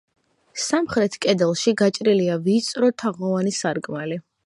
სამხრეთ კედელში გაჭრილია ვიწრო, თაღოვანი სარკმელი.